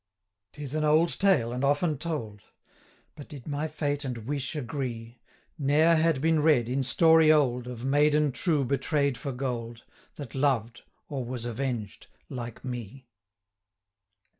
'Tis an old tale, and often told; But did my fate and wish agree, Ne'er had been read, in story old, 515 Of maiden true betray'd for gold, That loved, or was avenged, like me!